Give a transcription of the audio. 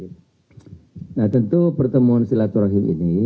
nah tentu pertemuan silaturahim ini